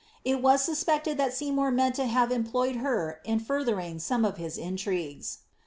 It was suspected that Seymour meant to have employed her in further ing some of his intrigues.'